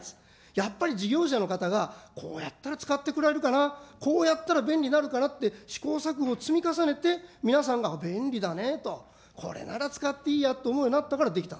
やっぱり事業者の方がこうやったら使ってくれるかな、こうやったら便利になるかなって、試行錯誤を積み重ねて、皆さんが便利だねと、これなら使っていいやって思うようになったからできた。